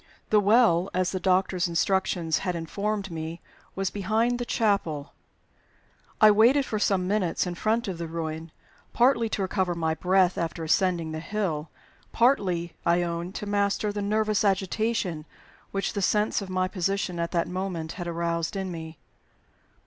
The Well, as the doctor's instructions had informed me, was behind the chapel. I waited for some minutes in front of the ruin, partly to recover my breath after ascending the hill; partly, I own, to master the nervous agitation which the sense of my position at that moment had aroused in me.